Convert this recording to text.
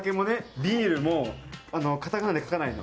ビールもカタカナで書かないの。